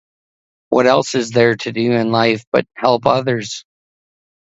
What else is there to do in life but help others?